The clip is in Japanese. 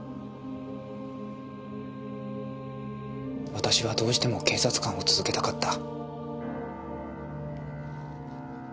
私はどうしても警察官を続けたかった。